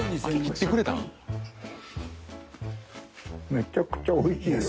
めちゃくちゃ美味しいわ。